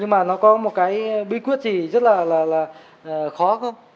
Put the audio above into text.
mà nó có một cái bí quyết gì rất là khó không